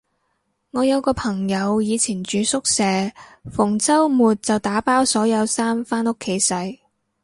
我有個朋友以前住宿舍，逢周末就打包所有衫返屋企洗